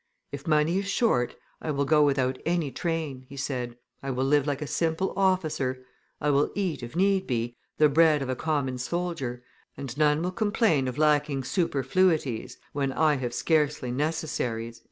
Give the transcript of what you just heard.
"If money is short, I will go without any train," he said; "I will live like a simple officer; I will eat, if need be, the bread of a common soldier, and none will complain of lacking superfluities when I have scarcely necessaries."